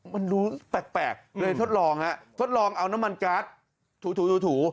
มันดูแปลกเลยทดลองฮะทดลองเอาน้ำมันการ์ดถูถู